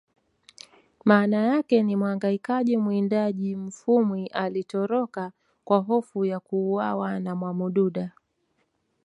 maana yake ni mhangaikaji mwindaji Mufwimi alitoroka kwa hofu ya kuuawa na mwamududa